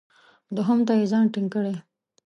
دوهم ته یې ځان ټینګ کړی.